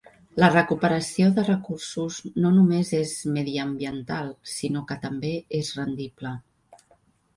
La recuperació de recursos no només és mediambiental, sinó que també és rendible.